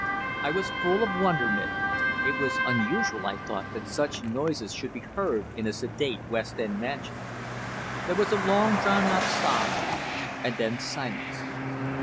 I was full of wonderment. It was unusual, I thought, that such noises should be heard in a sedate West End mansion. There was a long drawn out sob, and then silence.